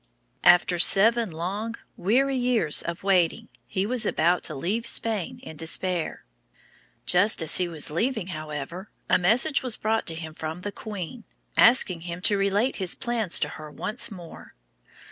After seven long, weary years of waiting, he was about to leave Spain in despair. Just as he was leaving, however, a message was brought to him from the queen, asking him to explain his plans to her once more.